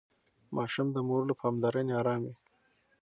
ماشوم د مور له پاملرنې ارام وي.